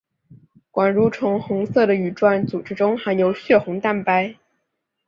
管蠕虫红色的羽状组织中含有血红蛋白。